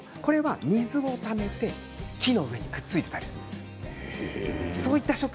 水をためて木の上にくっついていたりします。